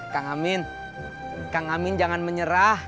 kang amin kang amin jangan menyerah